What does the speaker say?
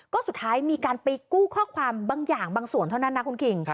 ก็สุดท้ายมีการไปกู้ข้อความบางอย่างบางส่วนเท่านั้นนะคุณคิง